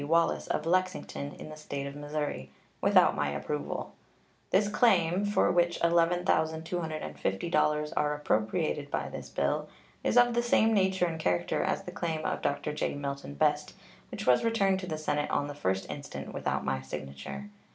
Wallace, of Lexington, in the State of Missouri," without my approval. This claim, for which $11,250 are appropriated by this bill, is of the same nature and character as the claim of Dr. J. Milton Best, which was returned to the Senate on the 1st instant without my signature.